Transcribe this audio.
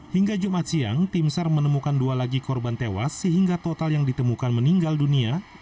hingga jumat siang tim sar menemukan dua lagi korban tewas sehingga total yang ditemukan meninggal dunia